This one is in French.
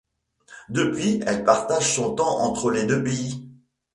Depuis elle partage son temps entre les deux pays.